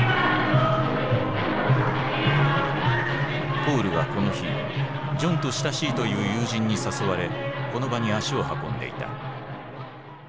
ポールはこの日ジョンと親しいという友人に誘われこの場に足を運んでいた。